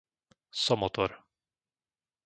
Somotor